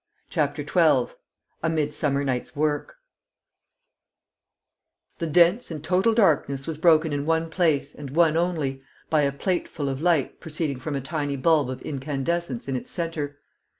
CHAPTER XII A Midsummer Night's Work The dense and total darkness was broken in one place, and one only, by a plateful of light proceeding from a tiny bulb of incandescence in its centre.